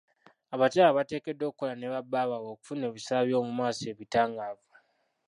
Abakyala bateekeddwa okukola ne ba bbaabwe okufuna ebiseere byomumaaso ebitangaavu.